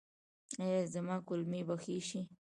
ایا زما کولمې به ښې شي؟